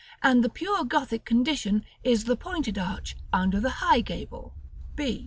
and the pure Gothic condition is the pointed arch under the high gable, b.